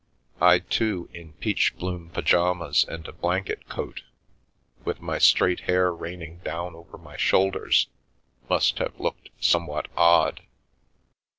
I too, in peach bloom pyjamas and a blanket coat, with my straight hair raining down over my shoulders, must have looked somewhat odd.